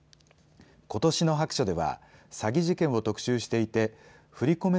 ことしの白書では詐欺事件を特集していて振り込め